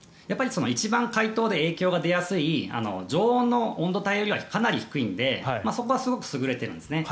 一番解凍で影響が出やすい常温の温度帯よりはかなり低いので、そこはすごく優れているんですね。